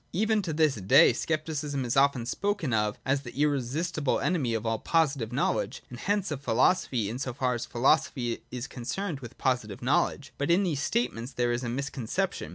Even to this day Scepticism is often spoken of as the irresistible enemy of all positive knowledge, and hence of philosophy, in so far as philosophy is concerned with posi tive knowledge. But in these statements there is a miscon ception.